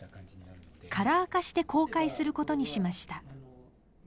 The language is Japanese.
カラー化して公開することにしました。